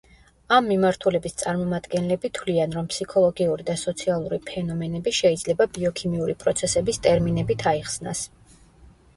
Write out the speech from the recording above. ამ მიმართულების წარმომადგენლები თვლიან, რომ ფსიქოლოგიური და სოციალური ფენომენები შეიძლება ბიოქიმიური პროცესების ტერმინებით აიხსნას.